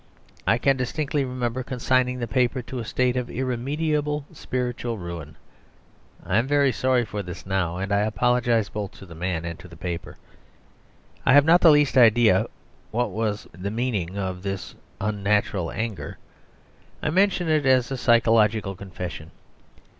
I can distinctly remember consigning the paper to a state of irremediable spiritual ruin. I am very sorry for this now, and I apologise both to the man and to the paper. I have not the least idea what was the meaning of this unnatural anger; I mention it as a psychological confession.